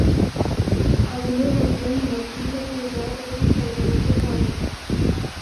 আগুনে হোটেলের নিবন্ধন খাতা পুড়ে যাওয়ায় তাঁদের বিস্তারিত পরিচয় পাওয়া যায়নি।